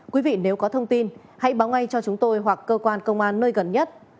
quý vị nếu có thông tin hãy báo ngay cho chúng tôi hoặc cơ quan công an nơi gần nhất